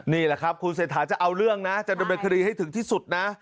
นี่แหละครับคุณเศรษฐาจะเอาเรื่องนะจะดำเนินคดีให้ถึงที่สุดนะ